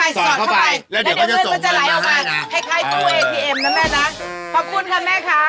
สอนเข้าไปแล้วเดี๋ยวก็จะส่งเงินมามา